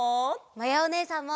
まやおねえさんも！